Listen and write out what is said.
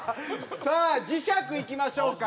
さあ磁石いきましょうか。